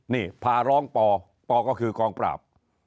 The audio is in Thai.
นี่พาร้องปปก็คือกองปราบ